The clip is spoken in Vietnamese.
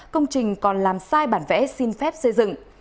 công trình còn làm sai bản vẽ xin phép xây dựng